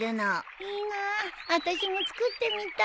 いいなあ私も作ってみたい。